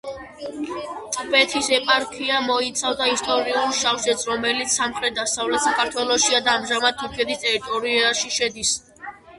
ტბეთის ეპარქია მოიცავდა ისტორიულ შავშეთს, რომელიც სამხრეთ დასავლეთ საქართველოშია და ამჟამად თურქეთის ტერიტორიაში შედის.